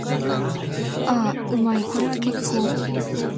ああ、うまい。これは結構。